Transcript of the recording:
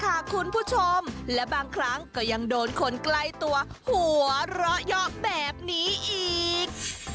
คุณผู้ชมและบางครั้งก็ยังโดนคนใกล้ตัวหัวเราะยอกแบบนี้อีก